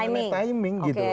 kita bicara mengenai timing gitu